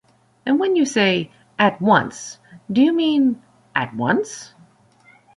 And when you say "At once" do you mean "At once"?